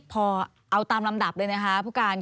พอเอาตามลำดับเลยนะครับ